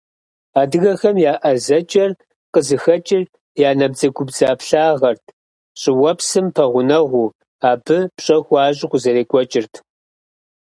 Адыгэхэм я ӏэзэкӏэр къызыхэкӏыр я набдзэгубдзаплъагъэрт, щӏыуэпсым пэгъунэгъуу, абы пщӏэ хуащӏу къызэрекӏуэкӏырт.